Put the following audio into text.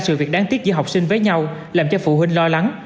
trường cũng sẽ đánh tiếc giữa học sinh với nhau làm cho phụ huynh lo lắng